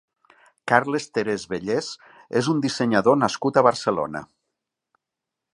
Carles Terès Bellès és un dissenyador nascut a Barcelona.